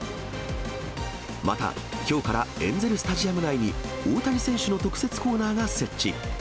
またきょうからエンゼルスタジアム内に大谷選手の特設コーナーが設置。